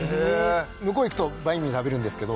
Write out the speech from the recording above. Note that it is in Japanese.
向こう行くとバインミー食べるんですけど。